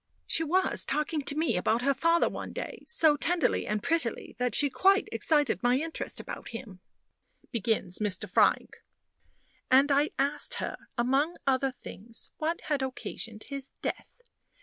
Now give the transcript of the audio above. "She was talking to me about her father one day so tenderly and prettily, that she quite excited my interest about him," begins Mr. Frank; "and I asked her, among other things, what had occasioned his death.